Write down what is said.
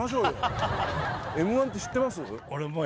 Ｍ−１って知ってます？